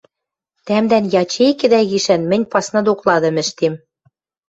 Тӓмдӓн ячейкӹдӓ гишӓн мӹнь пасна докладым ӹштем...